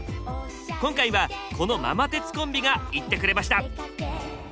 今回はこのママ鉄コンビが行ってくれました！